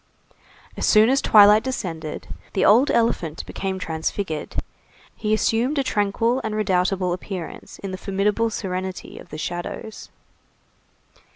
As soon as twilight descended, the old elephant became transfigured; he assumed a tranquil and redoubtable appearance in the formidable serenity of the shadows.